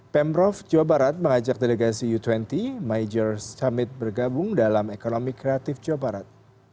pemprov jawa barat mengajak delegasi u dua puluh major summit bergabung dalam ekonomi kreatif jawa barat